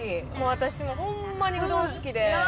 私もホンマにうどん好きで。